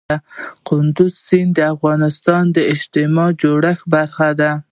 کندز سیند د افغانستان د اجتماعي جوړښت برخه ده.